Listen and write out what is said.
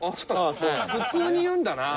普通に言うんだな。